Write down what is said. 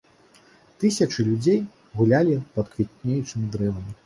Тысячы людзей гулялі пад квітнеючымі дрэвамі.